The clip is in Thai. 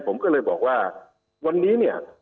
ผมก็เลยบอกว่าวันนี้เนี่ย